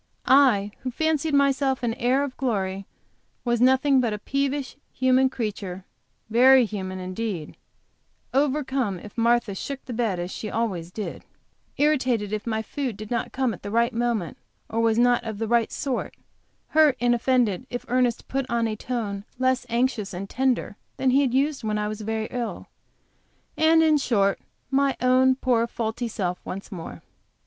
I, who fancied myself an heir of glory, was nothing but a peevish, human creature very human indeed, overcome if Martha shook the bed, as she always did, irritated if my food did not come at the right moment, or was not of the right sort, hurt and offended if Ernest put on at one less anxious and tender than he had used when I was very ill, and in short, my own poor faulty self once more.